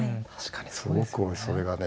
すごくそれがね